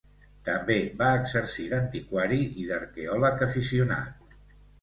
També va exercir d'antiquari i d'arqueòleg aficionat.